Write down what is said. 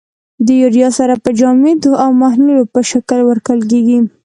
د یوریا سره په جامدو او محلول په شکل ورکول کیږي.